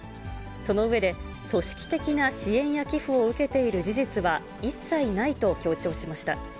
その上で、組織的な支援や寄付を受けている事実は一切ないと強調しました。